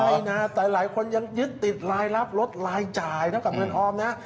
ใช่นะแต่หลายคนยังยึดติดรายรับลดรายจ่ายเท่ากับเงินออมนะ